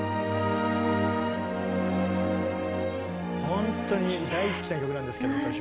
本当に大好きな曲なんですけど私も。